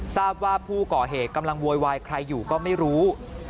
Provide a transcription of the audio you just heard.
ทราบว่าผู้ก่อเหตุกำลังโวยวายใครอยู่ก็ไม่รู้